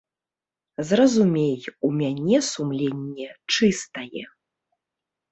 Зразумей, у мяне сумленне чыстае.